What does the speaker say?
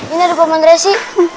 ini ada pak mat resi